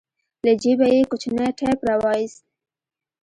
له جيبه يې کوچنى ټېپ راوايست.